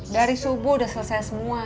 dari subuh udah selesai semua